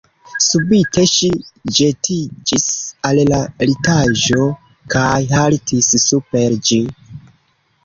Subite ŝi ĵetiĝis al la litaĵo kaj haltis super ĝi.